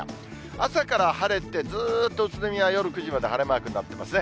朝から晴れて、ずーっと宇都宮は夜９時まで晴れマークになってますね。